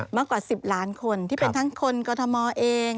มากกว่า๑๐ล้านคนที่เป็นทั้งคนกรทมเอง